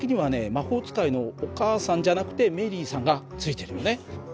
魔法使いのお母さんじゃなくてメリーさんがついてるよね。